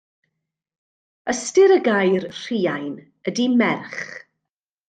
Ystyr y gair rhiain ydy merch.